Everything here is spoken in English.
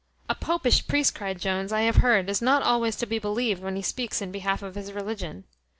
"A popish priest!" cries Jones, "I have heard is not always to be believed when he speaks in behalf of his religion."